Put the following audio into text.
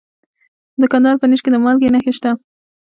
د کندهار په نیش کې د مالګې نښې شته.